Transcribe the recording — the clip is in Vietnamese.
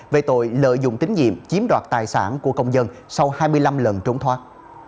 về tội lợi dụng tín nhiệm chiếm đoạt tài sản của công dân sau hai mươi năm lần trốn thoát